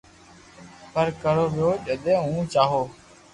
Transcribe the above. پر ڪرو ويو جدي ھون چاھو